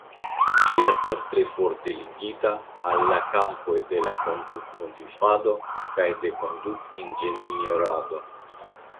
Ĝi estas tre forte ligita al la kampoj de kondutomodifado kaj de kondutinĝenierado.